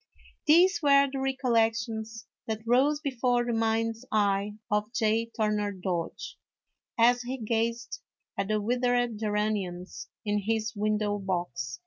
These were the recollections that rose before the mind's eye of J. Turner Dodge, as he gazed at tin withered geraniums in his window box.